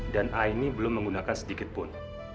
dan aini belum menggunakan sedikitpun